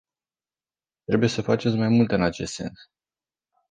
Trebuie să faceți mai multe în acest sens.